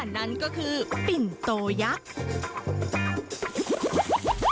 นั่นก็คือปิ่นโตยักษ์